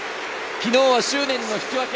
昨日は執念の引き分け。